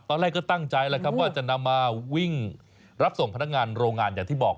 ตอนแรกก็ตั้งใจแล้วครับว่าจะนำมาวิ่งรับส่งพนักงานโรงงานอย่างที่บอก